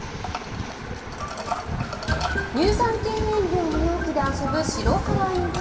乳酸菌飲料の容器で遊ぶシロハラインコ。